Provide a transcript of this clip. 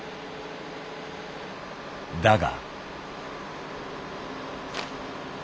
だが。